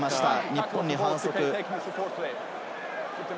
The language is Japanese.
日本に反則。